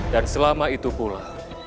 dan selama itu pula